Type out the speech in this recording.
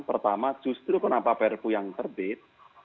pertama justru kenapa prpu yang terbit